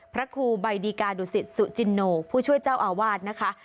พระครูใบดีกาดุสิตสุจินโนผู้ช่วยเจ้าอาวาสนะคะ